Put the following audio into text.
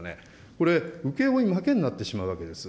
これ、請け負い負けになってしまうわけです。